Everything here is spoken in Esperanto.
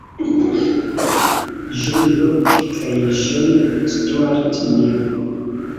John Locke kaj John Stuart Mill.